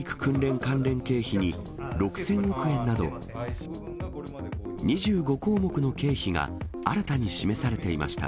関連経費に６０００億円など、２５項目の経費が新たに示されていました。